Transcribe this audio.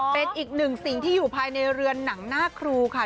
เป็นอีกหนึ่งสิ่งที่อยู่ภายในเรือนหนังหน้าครูค่ะ